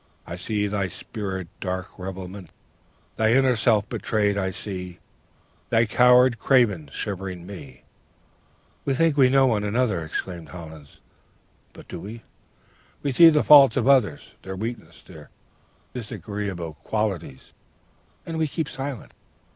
I see thy spirit's dark revealment! Thy inner self betrayed I see: Thy coward, craven, shivering ME' "'We think we know one another,' exclaimed Hollins; 'but do we? We see the faults of others, their weaknesses, their disagreeable qualities, and we keep silent.